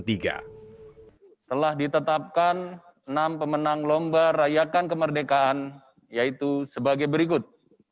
telah ditetapkan enam pemenang lomba rayakan kemerdekaan yaitu sebagai berikut